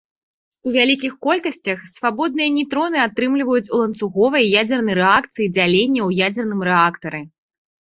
У вялікіх колькасцях свабодныя нейтроны атрымліваюць у ланцуговай ядзернай рэакцыі дзялення ў ядзерным рэактары.